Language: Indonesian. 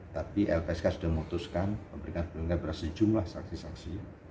tapi lpsk sudah memutuskan memberikan perlindungan terhadap sejumlah saksi saksi